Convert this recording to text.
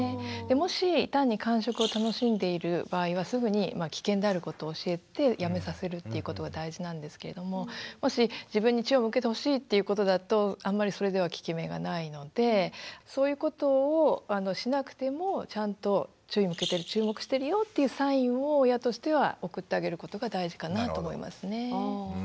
もし単に感触を楽しんでいる場合はすぐに危険であることを教えてやめさせるっていうことが大事なんですけれどももし自分に注意を向けてほしいっていうことだとあんまりそれでは効き目がないのでそういうことをしなくてもちゃんと注目してるよっていうサインを親としては送ってあげることが大事かなと思いますね。